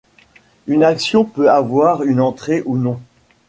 Une action peut avoir une entrée ou non.